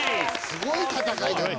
すごい戦いだな。